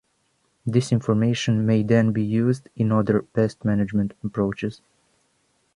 This information may then be used in other pest management approaches.